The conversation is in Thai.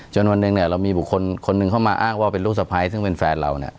วันหนึ่งเรามีบุคคลคนหนึ่งเข้ามาอ้างว่าเป็นลูกสะพ้ายซึ่งเป็นแฟนเรา